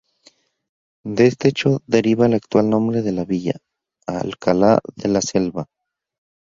De este hecho deriva el actual nombre de la villa, Alcalá de la Selva.